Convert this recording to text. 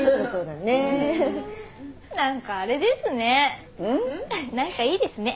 何かいいですね。